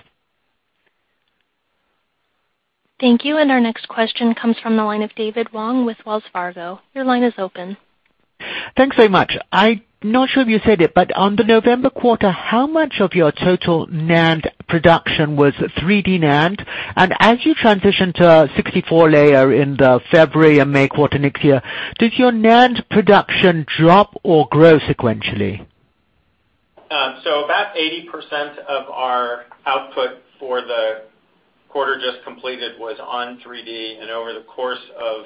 Thank you. Our next question comes from the line of David Wong with Wells Fargo. Your line is open. Thanks very much. I'm not sure if you said it, but on the November quarter, how much of your total NAND production was 3D NAND? As you transition to a 64-layer in the February and May quarter next year, does your NAND production drop or grow sequentially? About 80% of our output for the quarter just completed was on 3D, and over the course of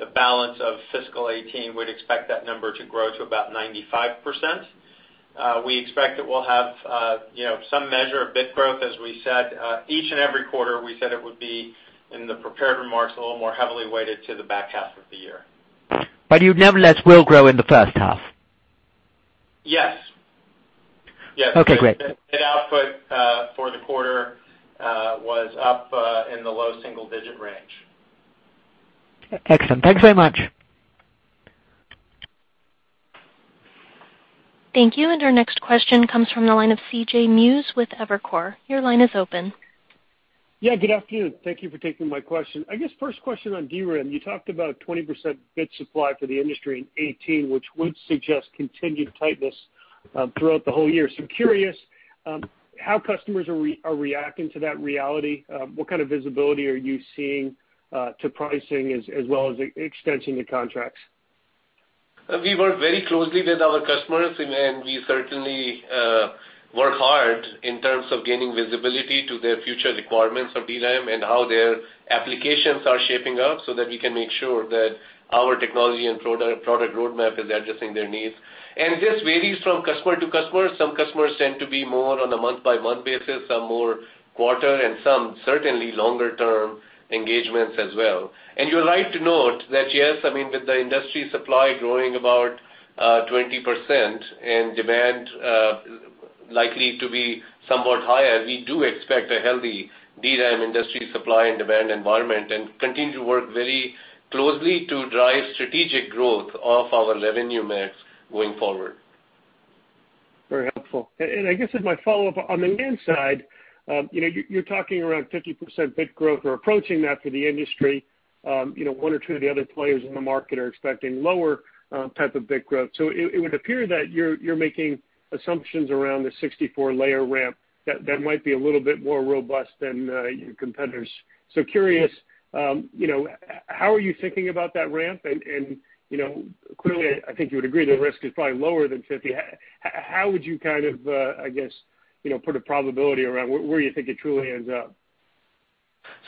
the balance of fiscal 2018, we'd expect that number to grow to about 95%. We expect that we'll have some measure of bit growth, as we said. Each and every quarter, we said it would be in the prepared remarks, a little more heavily weighted to the back half of the year. You nevertheless will grow in the first half? Yes. Okay, great. Bit output for the quarter was up in the low single-digit range. Excellent. Thanks very much. Thank you. Our next question comes from the line of CJ Muse with Evercore. Your line is open. Yeah, good afternoon. Thank you for taking my question. I guess first question on DRAM. You talked about 20% bit supply for the industry in 2018, which would suggest continued tightness throughout the whole year. I'm curious how customers are reacting to that reality. What kind of visibility are you seeing to pricing as well as extension to contracts? We work very closely with our customers, we certainly work hard in terms of gaining visibility to their future requirements of DRAM and how their applications are shaping up so that we can make sure that our technology and product roadmap is addressing their needs. This varies from customer to customer. Some customers tend to be more on a month-by-month basis, some more quarter, and some certainly longer-term engagements as well. You're right to note that, yes, with the industry supply growing about 20% and demand likely to be somewhat higher, we do expect a healthy DRAM industry supply and demand environment and continue to work very closely to drive strategic growth of our revenue mix going forward. Very helpful. I guess as my follow-up, on the NAND side, you're talking around 50% bit growth or approaching that for the industry. One or two of the other players in the market are expecting lower type of bit growth. It would appear that you're making assumptions around the 64-layer ramp that might be a little bit more robust than your competitors. Curious, how are you thinking about that ramp? Clearly, I think you would agree the risk is probably lower than 50. How would you, I guess, put a probability around where you think it truly ends up?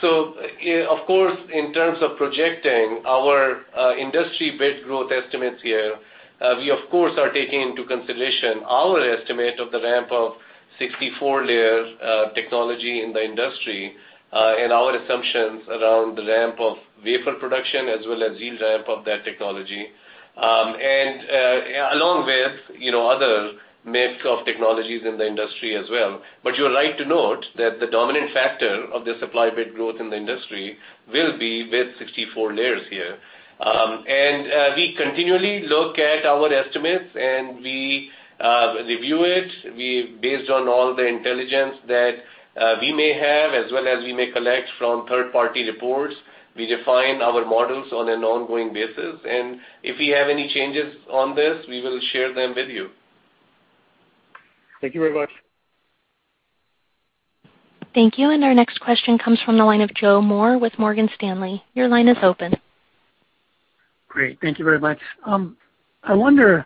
Of course, in terms of projecting our industry bit growth estimates here, we of course, are taking into consideration our estimate of the ramp of 64-layer technology in the industry, and our assumptions around the ramp of wafer production, as well as yield ramp of that technology. Along with other mix of technologies in the industry as well. You're right to note that the dominant factor of the supply bit growth in the industry will be with 64 layers here. We continually look at our estimates, and we review it. Based on all the intelligence that we may have as well as we may collect from third-party reports, we define our models on an ongoing basis. If we have any changes on this, we will share them with you. Thank you very much. Thank you. Our next question comes from the line of Joseph Moore with Morgan Stanley. Your line is open. Great. Thank you very much. I wonder,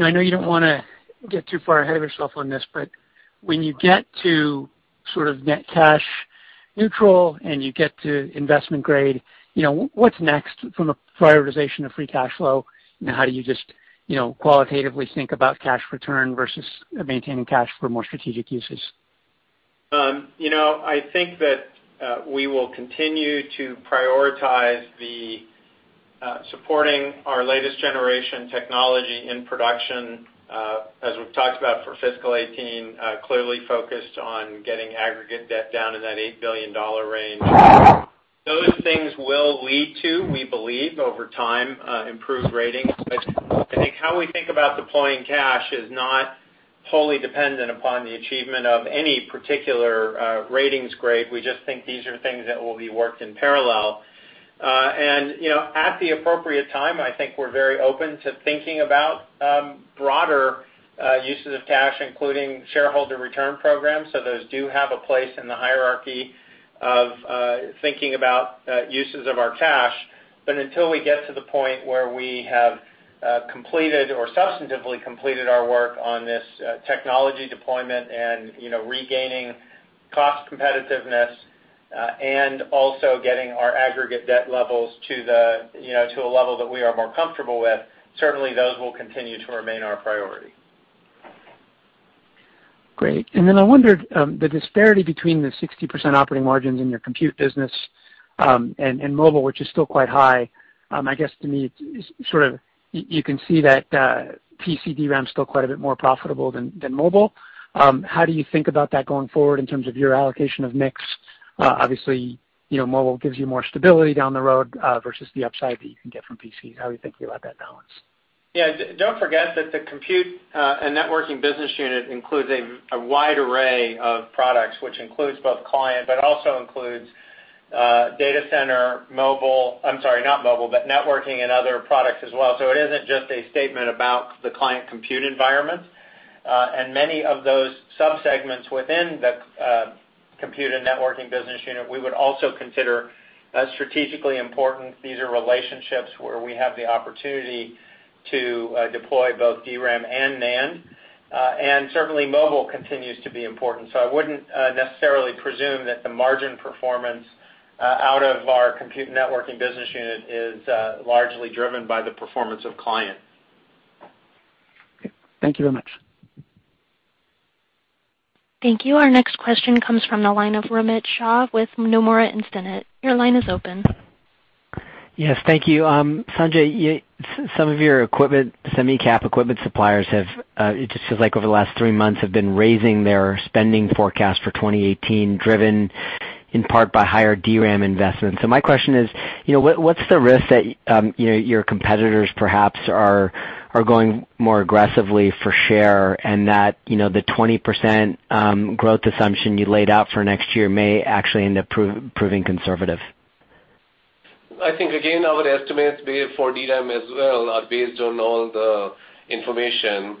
I know you don't want to get too far ahead of yourself on this, when you get to sort of net cash neutral and you get to investment grade, what's next from a prioritization of free cash flow? How do you just qualitatively think about cash return versus maintaining cash for more strategic uses? I think that we will continue to prioritize the supporting our latest generation technology in production, as we've talked about for fiscal 2018, clearly focused on getting aggregate debt down in that $8 billion range. Those things will lead to, we believe, over time, improved ratings. I think how we think about deploying cash is not wholly dependent upon the achievement of any particular ratings grade. We just think these are things that will be worked in parallel. At the appropriate time, I think we're very open to thinking about broader uses of cash, including shareholder return programs. Those do have a place in the hierarchy of thinking about uses of our cash. Until we get to the point where we have completed or substantively completed our work on this technology deployment and regaining cost competitiveness, and also getting our aggregate debt levels to a level that we are more comfortable with, certainly those will continue to remain our priority. Great. I wondered, the disparity between the 60% operating margins in your compute business, and mobile, which is still quite high. I guess to me, you can see that PC DRAM is still quite a bit more profitable than mobile. How do you think about that going forward in terms of your allocation of mix? Obviously, mobile gives you more stability down the road, versus the upside that you can get from PCs. How are you thinking about that balance? Don't forget that the compute and networking business unit includes a wide array of products, which includes both client, but also includes data center, mobile-- I'm sorry, not mobile, but networking and other products as well. It isn't just a statement about the client compute environment. Many of those sub-segments within the compute and networking business unit, we would also consider strategically important. These are relationships where we have the opportunity to deploy both DRAM and NAND. Certainly, mobile continues to be important. I wouldn't necessarily presume that the margin performance out of our compute networking business unit is largely driven by the performance of client. Okay. Thank you very much. Thank you. Our next question comes from the line of Romit Shah with Nomura Instinet. Your line is open. Yes. Thank you. Sanjay, some of your equipment, semi-cap equipment suppliers have, it just feels like over the last three months, have been raising their spending forecast for 2018, driven in part by higher DRAM investments. My question is, what's the risk that your competitors perhaps are going more aggressively for share and that the 20% growth assumption you laid out for next year may actually end up proving conservative? I think, again, our estimates for DRAM as well are based on all the information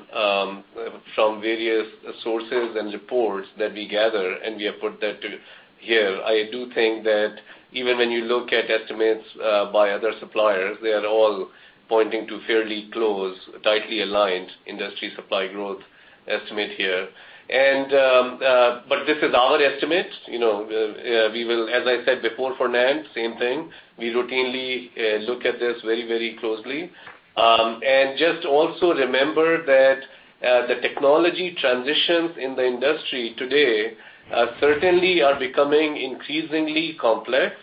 from various sources and reports that we gather. We have put that here. I do think that even when you look at estimates by other suppliers, they are all pointing to fairly close, tightly aligned industry supply growth estimate here. This is our estimate. As I said before, for NAND, same thing. We routinely look at this very closely. Just also remember that the technology transitions in the industry today certainly are becoming increasingly complex,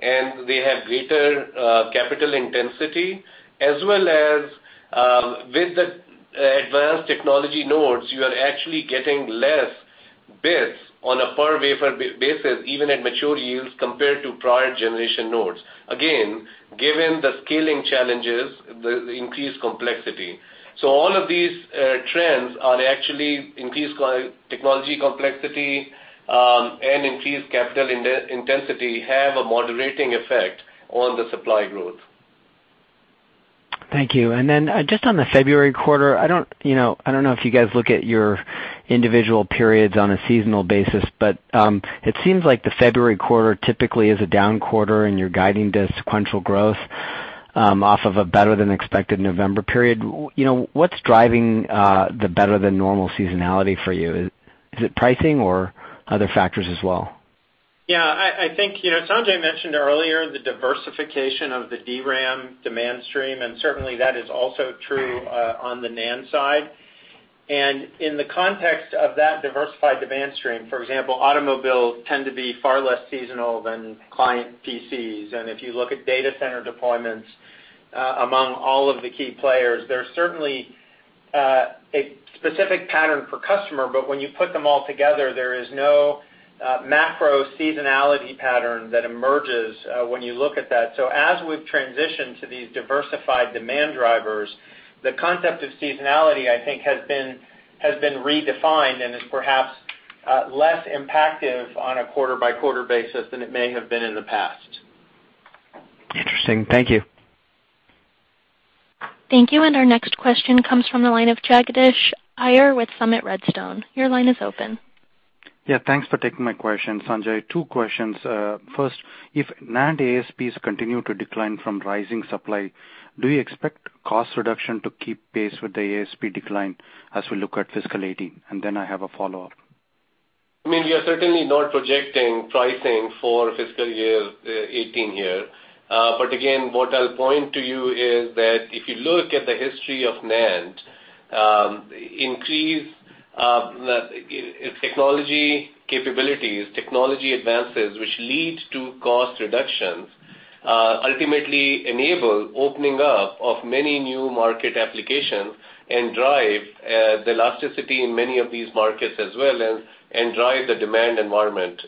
and they have greater capital intensity. As well as with the advanced technology nodes, you are actually getting less bits on a per-wafer basis, even at mature yields, compared to prior generation nodes. Again, given the scaling challenges, the increased complexity. all of these trends are actually increased technology complexity, and increased capital intensity have a moderating effect on the supply growth Thank you. just on the February quarter, I don't know if you guys look at your individual periods on a seasonal basis, but it seems like the February quarter typically is a down quarter, and you're guiding to sequential growth off of a better than expected November period. What's driving the better than normal seasonality for you? Is it pricing or other factors as well? Yeah. I think Sanjay mentioned earlier the diversification of the DRAM demand stream, and certainly, that is also true on the NAND side. in the context of that diversified demand stream, for example, automobiles tend to be far less seasonal than client PCs. if you look at data center deployments, among all of the key players, there's certainly a specific pattern for customer. when you put them all together, there is no macro seasonality pattern that emerges when you look at that. as we've transitioned to these diversified demand drivers, the concept of seasonality, I think has been redefined and is perhaps less impactive on a quarter-by-quarter basis than it may have been in the past. Interesting. Thank you. Thank you. Our next question comes from the line of Jagadish Iyer with Summit Redstone. Your line is open. Yeah, thanks for taking my question. Sanjay, two questions. First, if NAND ASPs continue to decline from rising supply, do you expect cost reduction to keep pace with the ASP decline as we look at fiscal 2018? Then I have a follow-up. We are certainly not projecting pricing for fiscal year 2018 here. Again, what I'll point to you is that if you look at the history of NAND, increase technology capabilities, technology advances, which lead to cost reductions, ultimately enable opening up of many new market applications and drive the elasticity in many of these markets as well and drive the demand environment.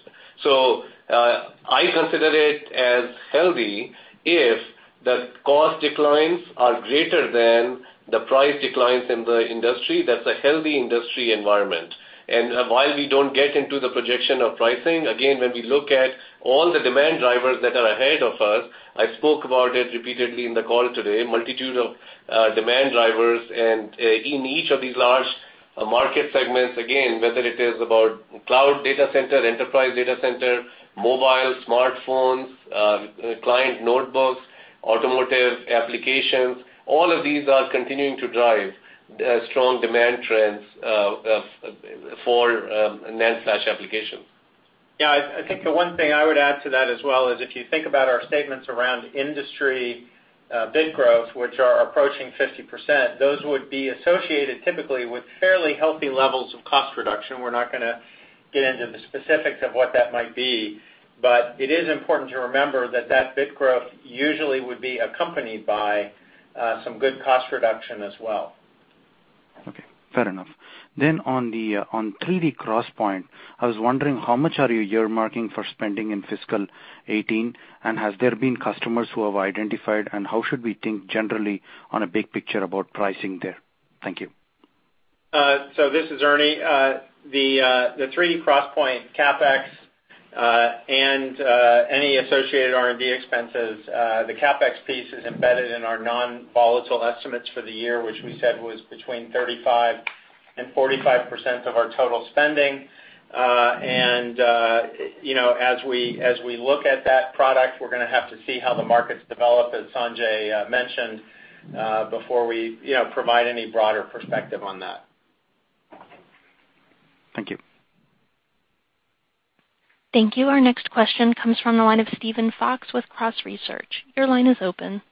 I consider it as healthy if the cost declines are greater than the price declines in the industry, that's a healthy industry environment. While we don't get into the projection of pricing, again, when we look at all the demand drivers that are ahead of us, I spoke about it repeatedly in the call today, multitude of demand drivers. In each of these large market segments, again, whether it is about cloud data center, enterprise data center, mobile, smartphones, client notebooks, automotive applications, all of these are continuing to drive strong demand trends for NAND flash applications. I think the one thing I would add to that as well is if you think about our statements around industry bit growth, which are approaching 50%, those would be associated typically with fairly healthy levels of cost reduction. We're not going to get into the specifics of what that might be, but it is important to remember that bit growth usually would be accompanied by some good cost reduction as well. Fair enough. On 3D XPoint, I was wondering how much are you earmarking for spending in fiscal 2018, and has there been customers who have identified, and how should we think generally on a big picture about pricing there? Thank you. This is Ernie. The 3D XPoint CapEx, and any associated R&D expenses, the CapEx piece is embedded in our non-volatile estimates for the year, which we said was between 35% and 45% of our total spending. As we look at that product, we're going to have to see how the markets develop, as Sanjay mentioned, before we provide any broader perspective on that. Thank you. Thank you. Our next question comes from the line of Steven Fox with Cross Research. Your line is open.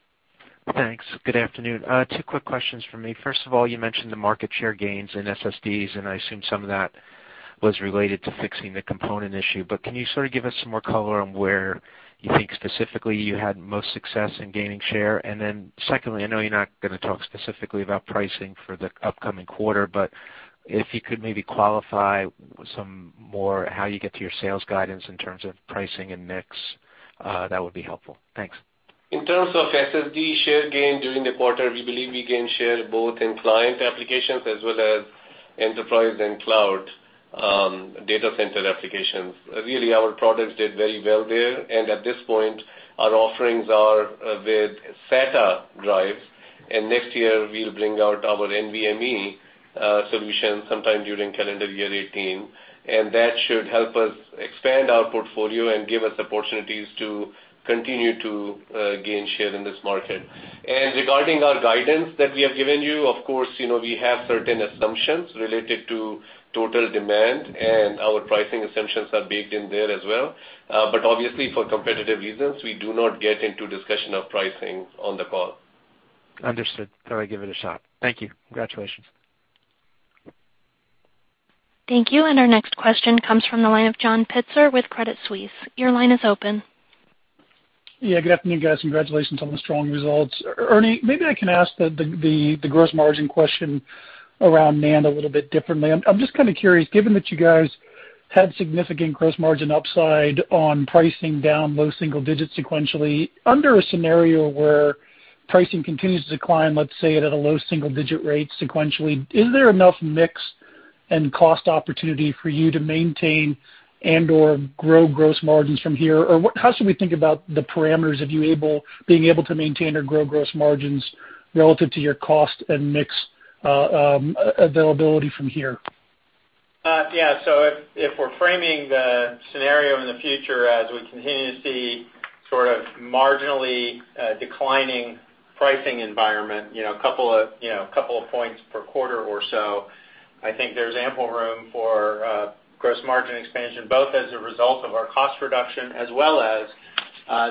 Thanks. Good afternoon. Two quick questions from me. First of all, you mentioned the market share gains in SSDs, I assume some of that was related to fixing the component issue. Can you sort of give us some more color on where you think specifically you had the most success in gaining share? Secondly, I know you're not going to talk specifically about pricing for the upcoming quarter, but if you could maybe qualify some more how you get to your sales guidance in terms of pricing and mix, that would be helpful. Thanks. In terms of SSD share gain during the quarter, we believe we gain share both in client applications as well as enterprise and cloud data center applications. Really, our products did very well there. At this point, our offerings are with SATA drives. Next year we'll bring out our NVMe solution sometime during calendar year 2018. That should help us expand our portfolio and give us opportunities to continue to gain share in this market. Regarding our guidance that we have given you, of course, we have certain assumptions related to total demand, and our pricing assumptions are baked in there as well. Obviously for competitive reasons, we do not get into a discussion of pricing on the call. Understood. Thought I'd give it a shot. Thank you. Congratulations. Thank you. Our next question comes from the line of John Pitzer with Credit Suisse. Your line is open. Yeah, good afternoon, guys. Congratulations on the strong results. Ernie, maybe I can ask the gross margin question around NAND a little bit differently. I'm just kind of curious, given that you guys had significant gross margin upside on pricing down low single digits sequentially, under a scenario where pricing continues to decline, let's say, at a low single-digit rate sequentially, is there enough mix Cost opportunity for you to maintain and/or grow gross margins from here. How should we think about the parameters of being able to maintain or grow gross margins relative to your cost and mix availability from here? Yeah. If we're framing the scenario in the future as we continue to see sort of marginally declining pricing environment, a couple of points per quarter or so, I think there's ample room for gross margin expansion, both as a result of our cost reduction, as well as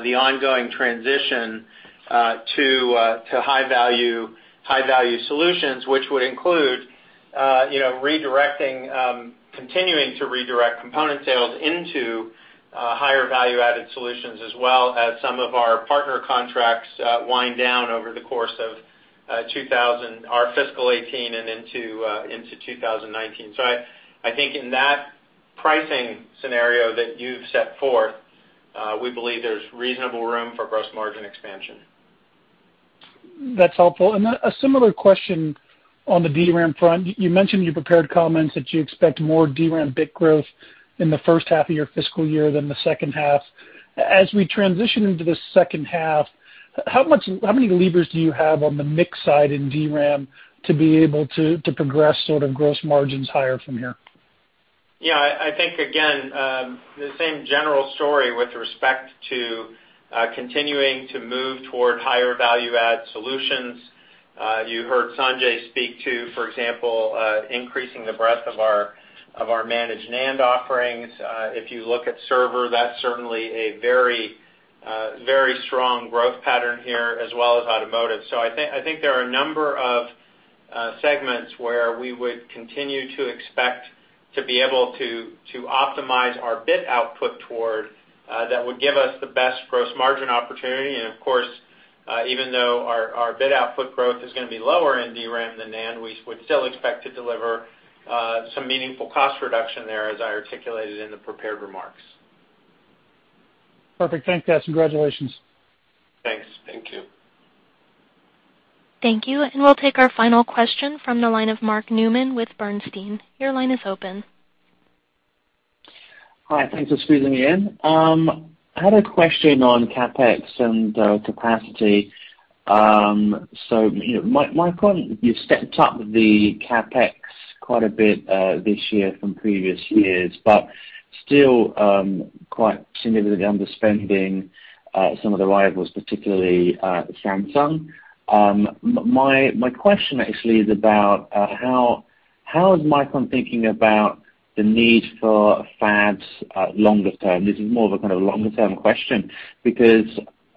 the ongoing transition to high-value solutions. Which would include continuing to redirect component sales into higher value-added solutions as well as some of our partner contracts wind down over the course of our fiscal 2018 and into 2019. I think in that pricing scenario that you've set forth, we believe there's reasonable room for gross margin expansion. A similar question on the DRAM front. You mentioned in your prepared comments that you expect more DRAM bit growth in the first half of your fiscal year than the second half. As we transition into the second half, how many levers do you have on the mix side in DRAM to be able to progress sort of gross margins higher from here? Yeah, I think, again, the same general story with respect to continuing to move toward higher value-add solutions. You heard Sanjay speak to, for example, increasing the breadth of our managed NAND offerings. If you look at server, that's certainly a very strong growth pattern here, as well as automotive. I think there are a number of segments where we would continue to expect to be able to optimize our bit output toward, that would give us the best gross margin opportunity. Of course, even though our bit output growth is going to be lower in DRAM than NAND, we would still expect to deliver some meaningful cost reduction there, as I articulated in the prepared remarks. Perfect. Thanks, guys. Congratulations. Thanks. Thank you. Thank you. We'll take our final question from the line of Mark Newman with Bernstein. Your line is open. Hi, thanks for squeezing me in. I had a question on CapEx and capacity. Micron, you stepped up the CapEx quite a bit this year from previous years, but still quite significantly underspending some of the rivals, particularly Samsung. My question actually is about how is Micron thinking about the need for fabs longer term? This is more of a kind of longer-term question because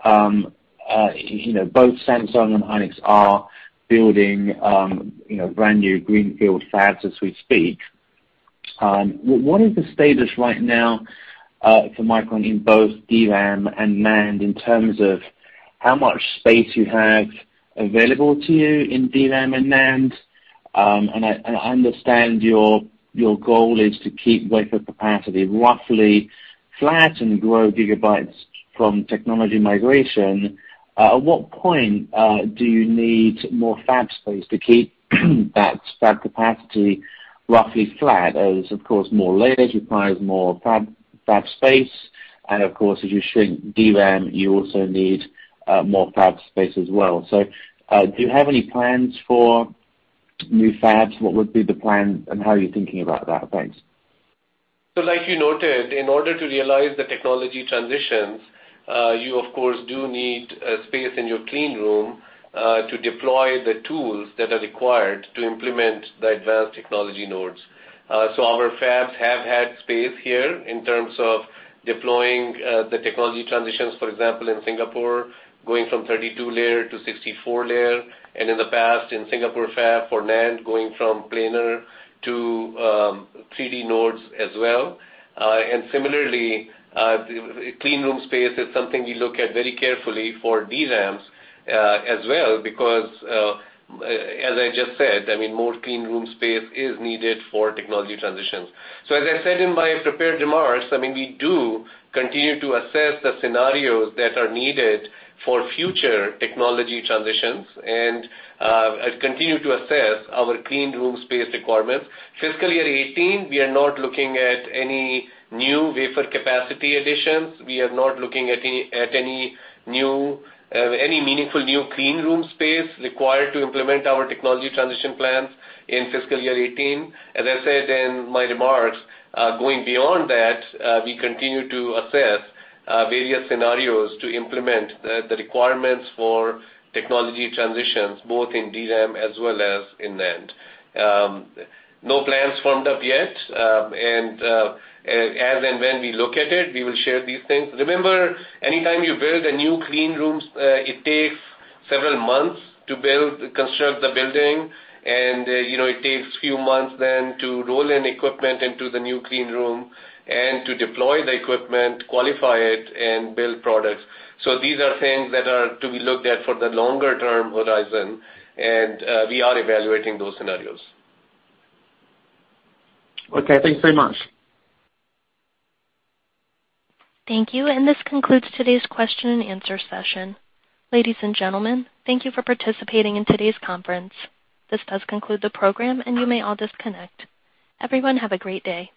both Samsung and Hynix are building brand new greenfield fabs as we speak. What is the status right now for Micron in both DRAM and NAND in terms of how much space you have available to you in DRAM and NAND? I understand your goal is to keep wafer capacity roughly flat and grow gigabytes from technology migration. At what point do you need more fab space to keep that fab capacity roughly flat, as of course, more layers requires more fab space, and of course, as you shrink DRAM, you also need more fab space as well. Do you have any plans for new fabs? What would be the plan, and how are you thinking about that? Thanks. Like you noted, in order to realize the technology transitions, you of course do need space in your clean room to deploy the tools that are required to implement the advanced technology nodes. Our fabs have had space here in terms of deploying the technology transitions, for example, in Singapore, going from 32-layer to 64-layer, and in the past in Singapore fab for NAND, going from planar to 3D nodes as well. Similarly, clean room space is something we look at very carefully for DRAMs as well, because as I just said, more clean room space is needed for technology transitions. As I said in my prepared remarks, we do continue to assess the scenarios that are needed for future technology transitions and continue to assess our clean room space requirements. Fiscal year 2018, we are not looking at any new wafer capacity additions. We are not looking at any meaningful new clean room space required to implement our technology transition plans in fiscal year 2018. As I said in my remarks, going beyond that, we continue to assess various scenarios to implement the requirements for technology transitions, both in DRAM as well as in NAND. No plans formed up yet, as and when we look at it, we will share these things. Remember, anytime you build a new clean room, it takes several months to construct the building, and it takes few months then to roll in equipment into the new clean room and to deploy the equipment, qualify it, and build products. These are things that are to be looked at for the longer-term horizon, and we are evaluating those scenarios. Okay, thanks very much. Thank you. This concludes today's question and answer session. Ladies and gentlemen, thank you for participating in today's conference. This does conclude the program, and you may all disconnect. Everyone have a great day.